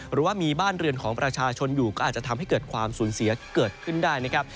หรือว่ามีบ้านเรือนของประชาชนอยู่ก็อาจจะทำให้เกิดความสูญเสียเกิดขึ้นได้นะครับ